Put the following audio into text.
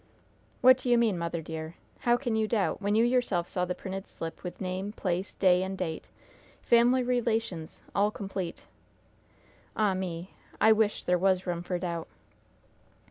"What do you mean, mother, dear? How can you doubt, when you yourself saw the printed slip, with name, place, day and date, family relations all complete? Ah, me! I wish there was room for doubt!"